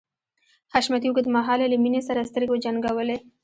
حشمتي اوږد مهال له مينې سره سترګې وجنګولې.